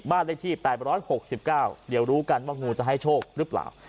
บ้านได้ชีพตายไปร้อย๖๙เดี๋ยวรู้กันว่างูจะให้โชคหรือเปล่า